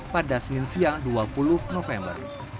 pada senin siang dua puluh november